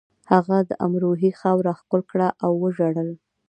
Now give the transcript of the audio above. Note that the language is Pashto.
هغه د امروهې خاوره ښکل کړه او وژړل